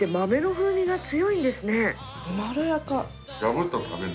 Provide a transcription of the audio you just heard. まろやか。